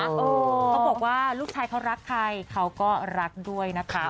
เขาบอกว่าลูกชายเขารักใครเขาก็รักด้วยนะคะ